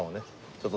ちょっと